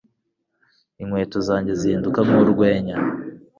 Inkweto zanjye zihinduka nkurwenya